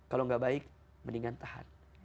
kalau gak baik mendingan tahan